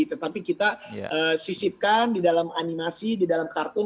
tetapi kita sisipkan di dalam animasi di dalam kartun